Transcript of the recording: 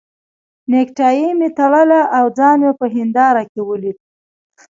نېکټایي مې تړله او ځان مې په هنداره کې ولید.